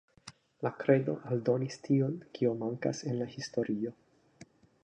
La kredo aldonis tion kio mankas en la historio.